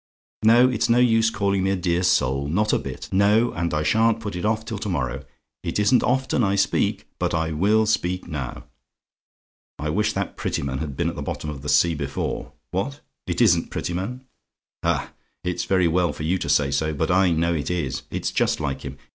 Now, it's no use calling me a dear soul not a bit! No; and I shan't put it off till to morrow. It isn't often I speak, but I WILL speak now. "I wish that Prettyman had been at the bottom of the sea before what? "IT ISN'T PRETTYMAN? "Ah! it's very well for you to say so; but I know it is; it's just like him.